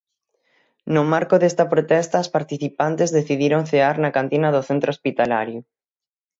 No marco desta protesta as participantes decidiron cear na cantina do centro hospitalario.